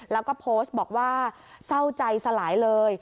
แล้วก็โพสต์บอกว่าเศร้าใจสลายเลย